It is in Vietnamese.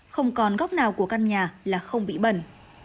không còn góc nào của căn nhà là không bị bẩn